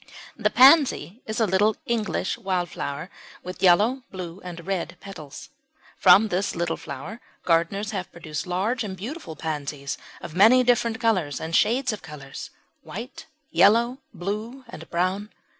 The Pansy is a little English wild flower with yellow, blue, and red petals. From this little flower gardeners have produced large and beautiful pansies of many different colours and shades of colours white, yellow, blue, and brown.